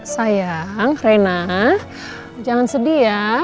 sayang rena jangan sedih ya